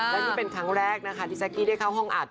และนี่เป็นครั้งแรกนะคะที่แจ๊กกี้ได้เข้าห้องอัด